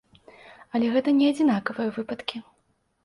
Але гэта не адзінкавыя выпадкі.